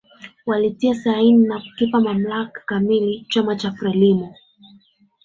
Walitia saini na kukipa mamlaka kamili chama cha Frelimo